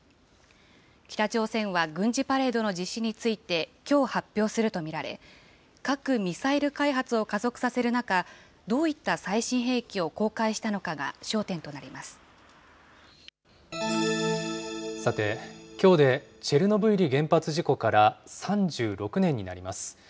北朝鮮は軍事パレードの実施について、きょう発表すると見られ、核・ミサイル開発を加速させる中、どういった最新兵器を公開したのさて、きょうでチェルノブイリ原発事故から３６年になります。